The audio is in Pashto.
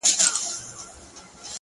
• اوس په فلسفه باندي پوهېږمه ـ